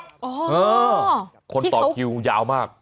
อ๋อที่เขาคนต่อคิวยาวมาก